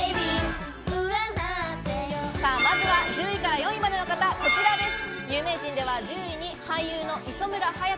まずは１０位から４位までの方、こちらです。